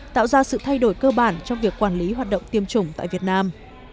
tạo ra sự thay đổi cơ bản trong việc quản lý hoạt động tiêm chủng tại việt nam